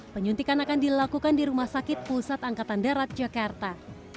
penyuntikan akan dilakukan di rumah sakit pusat angkatan darat jakarta